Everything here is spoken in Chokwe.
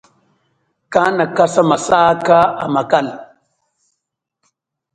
Kana kasa masaka amakala.